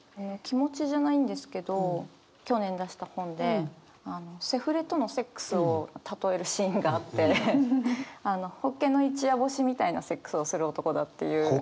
気持ちじゃないんですけど去年出した本でセフレとのセックスを例えるシーンがあってホッケの一夜干しみたいなセックスをする男だっていう。